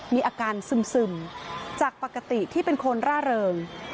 มีอาการซึมจากปกติที่เป็นคนร่าเริง